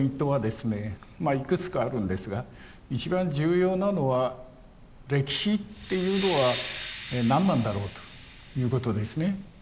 いくつかあるんですが一番重要なのは歴史っていうのは何なんだろうということですね。